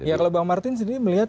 ya kalau bang martin sendiri melihat